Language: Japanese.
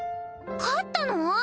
勝ったの？